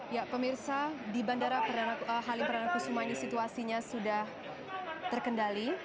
ya pemirsa di bandara halim perdana kusuma ini situasinya sudah terkendali